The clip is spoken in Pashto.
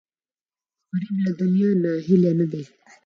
غریب له دنیا ناهیلی نه دی